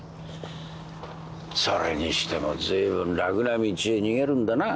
それにしてもずいぶん楽な道へ逃げるんだな。